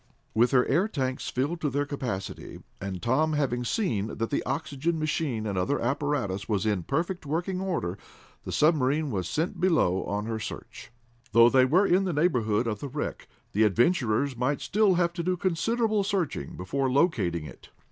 With her air tanks filled to their capacity, and Tom having seen that the oxygen machine and other apparatus was in perfect working order, the submarine was sent below on her search. Though they were in the neighborhood of the wreck, the adventurers might still have to do considerable searching before locating it.